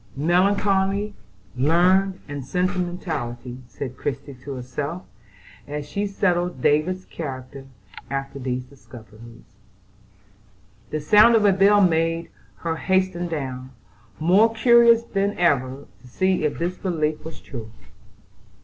"Melancholy, learned, and sentimental," said Christie to herself, as she settled David's character after these discoveries. The sound of a bell made her hasten down, more curious than ever to see if this belief was true.